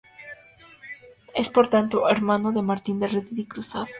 Es, por tanto, hermano de Martín de Redín y Cruzat.